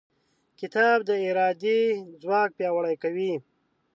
کتاب د ارادې ځواک پیاوړی کوي.